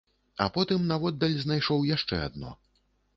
А потым наводдаль знайшоў яшчэ адно.